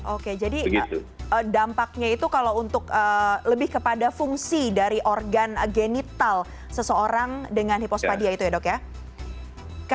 oke jadi dampaknya itu kalau untuk lebih kepada fungsi dari organ genital seseorang dengan hipospadia itu ya dok ya